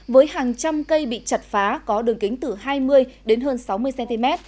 với hàng trăm cây bị chặt phá có đường kính từ hai mươi đến hơn sáu mươi cm